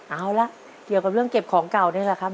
เอาละเกี่ยวกับเรื่องเก็บของเก่านี่แหละครับ